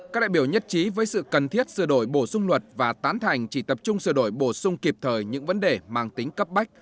các đại biểu nhất trí với sự cần thiết sửa đổi bổ sung luật và tán thành chỉ tập trung sửa đổi bổ sung kịp thời những vấn đề mang tính cấp bách